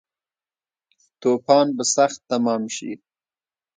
توپان به سخت تمام شی